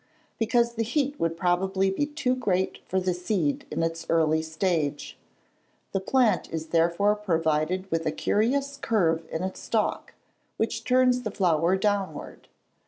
_ Because the heat would probably be too great for the seed in its early stage. The plant is therefore provided with a curious curve in its stalk, which turns the flower downward.